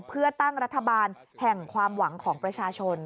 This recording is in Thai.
เพื่อตั้งรัฐบาลแห่งความหวังของประชาชน